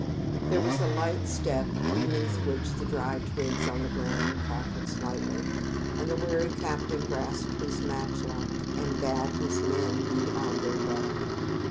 There was a light step beneath which the dry twiggs on the ground crackled slightly, and the wary captain grasped his matchlock and bade his men be on their guard.